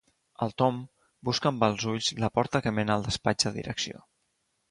El Tom busca amb els ulls la porta que mena al despatx de direcció.